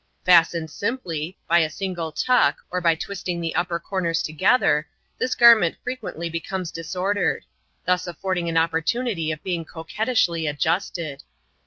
Fastened simplj, by a single tuck, or by twisting the upper corners together, this garment frequently becomes disordered ; thus affording an opportunity of being coquettishly adjusted.